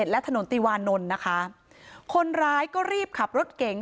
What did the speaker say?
และถนนติวานนท์นะคะคนร้ายก็รีบขับรถเก๋ง